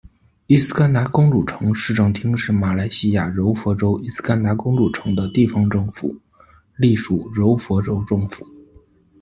依斯干达公主城市政厅是马来西亚柔佛州依斯干达公主城的地方政府，隶属柔佛州政府。